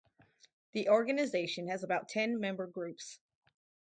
The organization has about ten member groups.